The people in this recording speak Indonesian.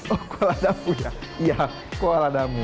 oh kuala lumpur ya iya kuala lumpur